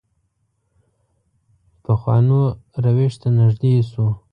پخوانو روش ته نږدې شو.